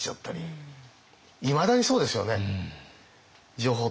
いまだにそうですよね。